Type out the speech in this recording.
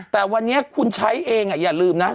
แต่วันนี้คุณใช้เองอย่าลืมนะ